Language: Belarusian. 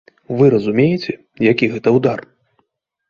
Вы разумееце, які гэта ўдар?